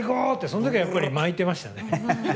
その時はやっぱり巻いてましたね。